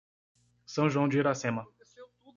São João de Iracema